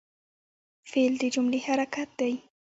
فعل د جملې حرکت دئ.